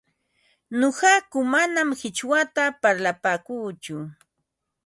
Nuqaku manam qichwata parlapaakuuchu,